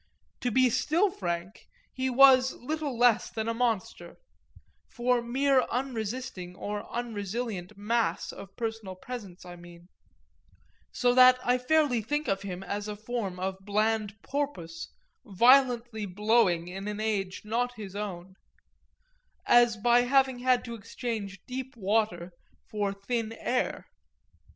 To be still frank, he was little less than a monster for mere unresisting or unresilient mass of personal presence I mean; so that I fairly think of him as a form of bland porpoise, violently blowing in an age not his own, as by having had to exchange deep water for thin air.